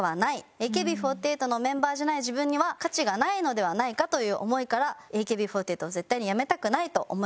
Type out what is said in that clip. ＡＫＢ４８のメンバーじゃない自分には価値がないのではないかという思いからＡＫＢ４８を絶対に辞めたくないと思いました。